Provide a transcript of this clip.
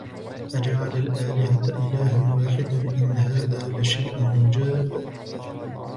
أجعل الآلهة إلها واحدا إن هذا لشيء عجاب